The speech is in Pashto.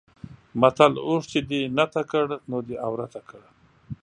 متل: اوښ چې دې نته کړ؛ نو دی عورته کړ.